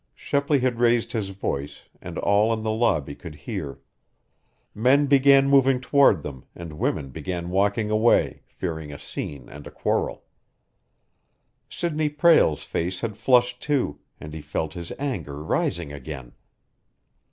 Shepley had raised his voice, and all in the lobby could hear. Men began moving toward them, and women began walking away, fearing a scene and a quarrel. Sidney Prale's face had flushed, too, and he felt his anger rising again.